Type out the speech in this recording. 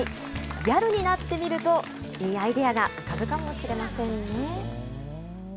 ギャルになってみると、いいアイデアが浮かぶかもしれませんね。